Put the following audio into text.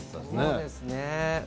そうですね。